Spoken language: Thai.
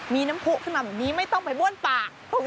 มีน้ำผู้ขึ้นมาแบบนี้ไม่ต้องไปบ้วนปาก